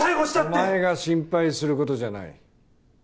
お前が心配する事じゃない。